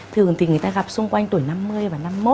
thường thì người ta gặp xung quanh tuổi năm mươi và năm mươi một